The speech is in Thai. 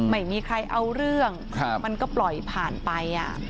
ไม่มีใครเอาเรื่องมันก็ปล่อยผ่านไป